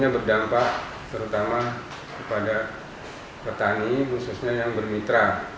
ini berdampak terutama kepada petani khususnya yang bermitra